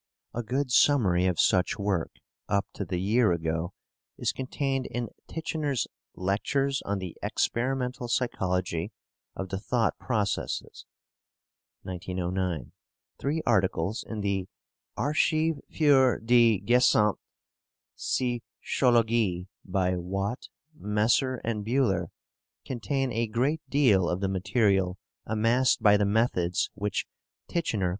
A good summary of such work up to the year agog is contained in Titchener's "Lectures on the Experimental Psychology of the Thought Processes" (1909). Three articles in the "Archiv fur die gesammte Psychologie" by Watt,* Messer and Buhler contain a great deal of the material amassed by the methods which Titchener calls experimental.